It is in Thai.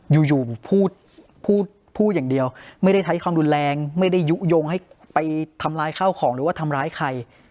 อยู่พูดพูดอย่างเดียวไม่ได้ใช้ความรุนแรงไม่ได้ยุโยงให้ไปทำร้ายข้าวของหรือว่าทำร้ายใคร